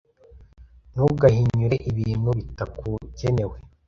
ntugahinyure ibintu bitakugenewe